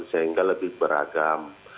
sehingga lebih beragam